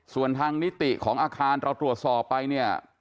ส่วนทางนิติของอาคารเราตรวจสอบไปเนี่ย